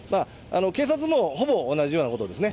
警察もほぼ同じようなことですね。